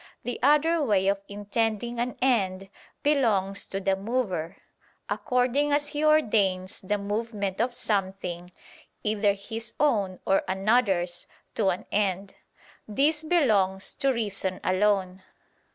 The other way of intending an end belongs to the mover; according as he ordains the movement of something, either his own or another's, to an end. This belongs to reason alone.